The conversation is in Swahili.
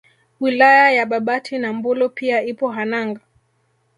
Wilaya ya Babati na Mbulu pia ipo Hanang